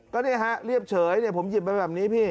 ก็นี่ฮะเรียบเฉยผมหยิบมาแบบนี้พี่